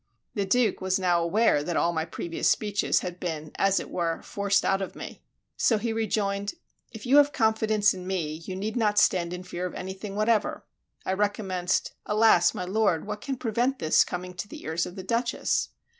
The Duke was now aware that all my previous speeches had been, as it were, forced out of me. So he rejoined, "If you have confidence in me, you need not stand in fear of anything whatever." I recommenced, "Alas! my lord, what can prevent this coming to the ears of the Duchess?"